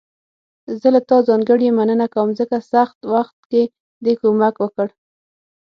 زه له تا ځانګړي مننه کوم، ځکه سخت وخت کې دې کومک وکړ.